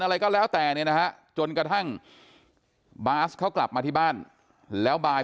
อะไรก็แล้วแต่เนี่ยนะฮะจนกระทั่งบาสเขากลับมาที่บ้านแล้วบาย